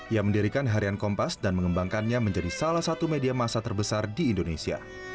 ia mendirikan harian kompas dan mengembangkannya menjadi salah satu media masa terbesar di indonesia